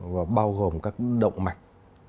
và bao gồm các động mạch